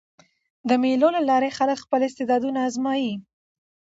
د مېلو له لاري خلک خپل استعدادونه آزمويي.